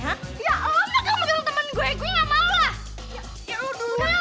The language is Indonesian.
ya allah kenapa lo panggil temen gue gue gak mau lah